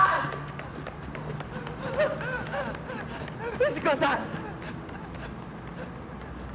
藤子さん！